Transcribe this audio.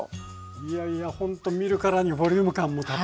いやいやほんとに見るからにボリューム感もたっぷりでね。